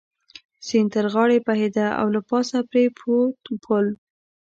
سیند تر غاړې بهېده او له پاسه پرې پروت پل.